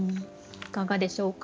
いかがでしょうか。